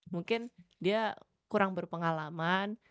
mungkin dia kurang berpengalaman